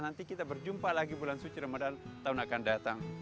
nanti kita berjumpa lagi bulan suci ramadan tahun akan datang